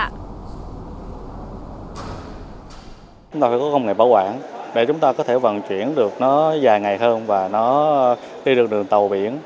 chúng ta phải có công nghệ bảo quản để chúng ta có thể vận chuyển được nó dài ngày hơn và nó đi được đường tàu biển